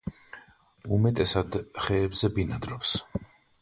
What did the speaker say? უმეტესად ხეებზე ბინადრობს.